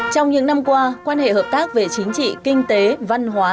trong những năm qua quan hệ hợp tác về chính trị kinh tế văn hóa